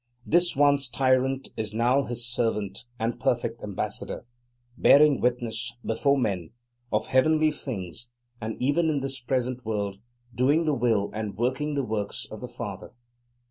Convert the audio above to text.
This once tyrant is now his servant and perfect ambassador, bearing witness, before men, of heavenly things and even in this present world doing the will and working the works of the Father.